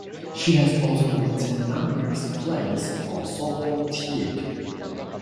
She has also written numerous plays for Soho Theatre.